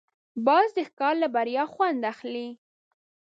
باز د ښکار له بریا خوند اخلي